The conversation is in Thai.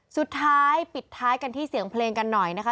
สุดท้ายปิดท้ายกันที่เสียงเพลงกันหน่อยนะคะ